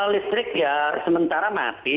listrik ya sementara mati